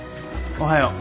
おはよう。